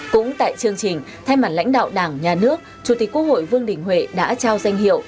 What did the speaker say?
cũng tại chương trình thay mặt lãnh đạo đảng nhà nước chủ tịch quốc hội vương đình huệ đã trao danh hiệu